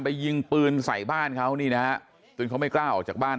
ไปยิงปืนใส่บ้านเขาจนเขาไม่กล้าออกจากบ้าน